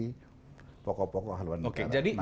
dan menghadirkan kembali pokok pokok haluan negara